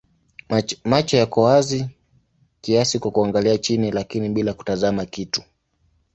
Macho yako wazi kiasi kwa kuangalia chini lakini bila kutazama kitu.